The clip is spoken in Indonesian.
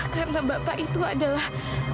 karena bapak itu adalah